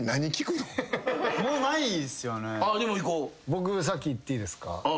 僕先いっていいですか？